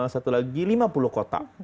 satu lagi lima puluh kota